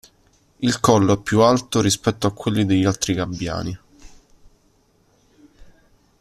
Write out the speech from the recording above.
Il collo è più alto rispetto a quello degli altri gabbiani.